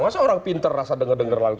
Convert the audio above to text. masa orang pinter rasa dengar dengar langsung